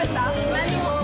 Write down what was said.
何も？